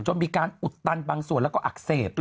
มีการอุดตันบางส่วนแล้วก็อักเสบ